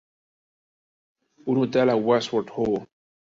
Un hotel a Westward Ho!